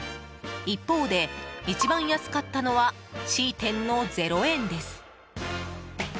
一方で一番安かったのはＣ店の０円です。